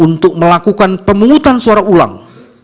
untuk melakukan pemungutan suara ulang